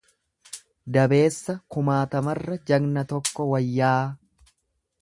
Dabeessa kumaatamarra jagna tokko wayyaa.